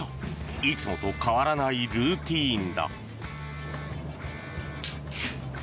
いつもと変わらないルーティンだ。